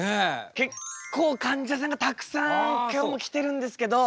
結構かんじゃさんがたくさん今日も来てるんですけど。